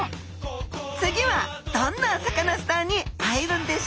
次はどんなサカナスターに会えるんでしょう？